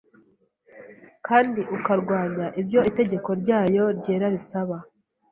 kandi ukarwanya ibyo itegeko ryayo ryera risaba